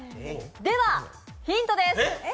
では、ヒントです。